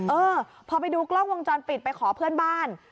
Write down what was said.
เออพอไปดูกล้องวงจรปิดไปขอเพื่อนบ้าน